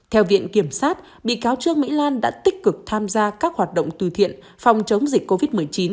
theo viện kiểm sát bị cáo trương mỹ lan đã tích cực tham gia các hoạt động từ thiện phòng chống dịch covid một mươi chín